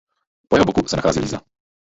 Po jeho boku se nachází Líza.